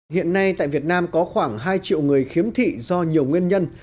hiện nay tại việt nam có khoảng hai triệu người khiếm thị do nhiều nguyên nhân